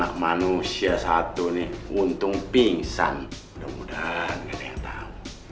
hah manusia satu nih untung pingsan mudah mudahan gak ada yang tahu